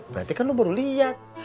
berarti kan lo baru lihat